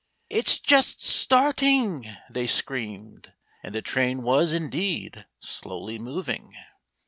"It's just starting!" they screamed, and the train was, indeed, slowly moving.